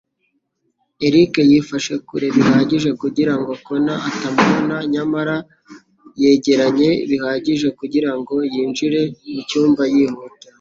Eric yifashe kure bihagije kugirango Connor atamubona, nyamara yegeranye bihagije kugirango yinjire mucyumba yihuta.